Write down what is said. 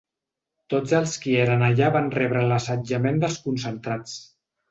Tots els qui eren allà van rebre l’assetjament dels concentrats.